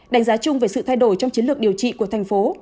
đánh giá chung về sự thay đổi trong chiến lược điều trị của thành phố